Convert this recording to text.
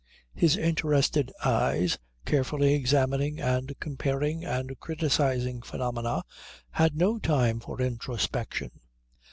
His interested eyes, carefully examining and comparing and criticising phenomena, had no time for introspection.